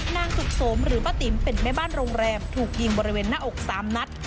นางสุขสมหรือป้าติ๋มเป็นแม่บ้านโรงแรมถูกยิงบริเวณหน้าอก๓นัด